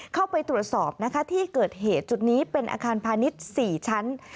เข้าไปตรวจสอบนะคะที่เกิดเหตุจุดนี้เป็นอาคารพาณิชย์๔ชั้น